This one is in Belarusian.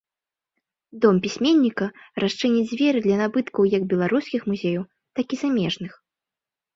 Дом пісьменніка расчыніць дзверы для набыткаў як беларускіх музеяў, так і замежных.